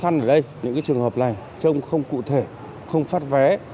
những trường hợp này trông không cụ thể không phát vé